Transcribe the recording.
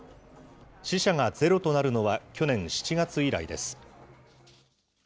死者がゼロとなるのは去年７月以来です。